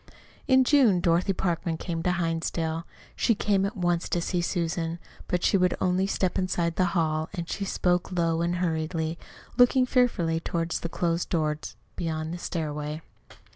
In June Dorothy Parkman came to Hinsdale. She came at once to see Susan. But she would only step inside the hall, and she spoke low and hurriedly, looking fearfully toward the closed doors beyond the stairway.